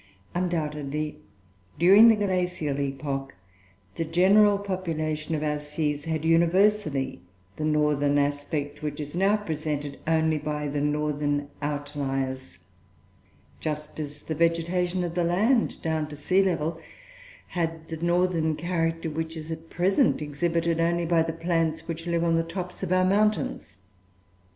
Undoubtedly, during the glacial epoch, the general population of our seas had, universally, the northern aspect which is now presented only by the "northern outliers"; just as the vegetation of the land, down to the sea level, had the northern character which is, at present, exhibited only by the plants which live on the tops of our mountains.